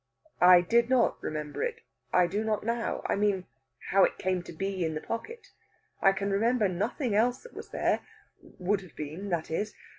"I did not remember it. I do not now. I mean, how it came to be in the pocket. I can remember nothing else that was there would have been, that is.